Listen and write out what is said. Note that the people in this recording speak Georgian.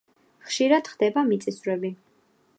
ხშირად ხდება მიწისძვრები.